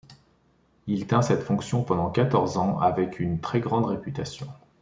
Il tint cette fonction pendant quatorze ans avec une très grande réputation.